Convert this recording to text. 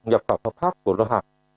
nhập khẩu hợp pháp của loại hạt